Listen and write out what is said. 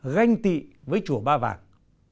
ganh tị với chùa ba vàng